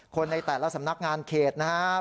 ในแต่ละสำนักงานเขตนะครับ